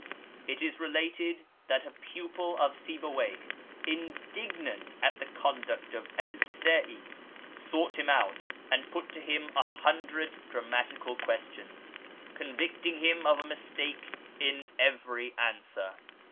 It is related that a pupil of Sibuwayh, indignant at the conduct of El Kisa'i, sought him out, and put to him a hundred grammatical questions, convicting him of a mistake in every answer.